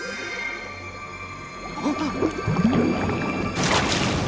あっ。